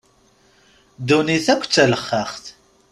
Ddunit akk d talexxaxt.